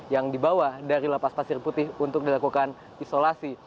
yang dibawa dari lapas pasir putih untuk dilakukan isolasi